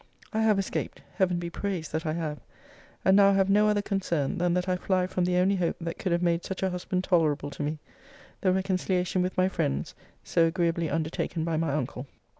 I have escaped Heaven be praised that I have! And now have no other concern, than that I fly from the only hope that could have made such a husband tolerable to me; the reconciliation with my friends, so agreeably undertaken by my uncle.